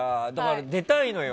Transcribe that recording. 出たいのよ